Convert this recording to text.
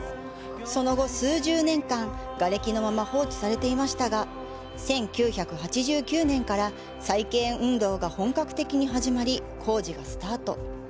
その後、数十年間、瓦れきのまま放置されていましたが、１９８９年から再建運動が本格的に始まり、工事がスタート。